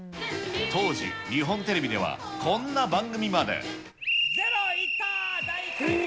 当時、日本テレビでは、こんな番組まで。